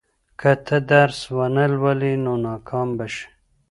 که ته درس ونه لولې، نو ناکام به شې.